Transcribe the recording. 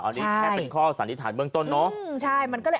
มันเป็นข้อสันนิษฐานเมืองต้นเนอะ